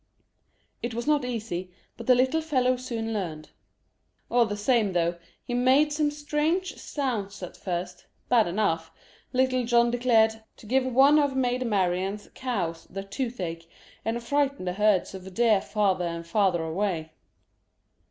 It was not easy, but the little fellow soon learned. All the same, though, he made some strange sounds at first, bad enough, Little John declared, to give one of Maid Marian's cows the tooth ache, and frighten the herds of deer farther and farther away.